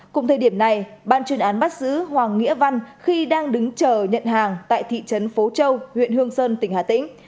cùng thời điểm này ban chuyên án bắt giữ hoàng nghĩa văn khi đang đứng chờ nhận hàng tại thị trấn phố châu huyện hương sơn tỉnh hà tĩnh